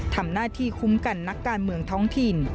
ทำหน้าที่คุ้มกันนักการเมืองท้องถิ่น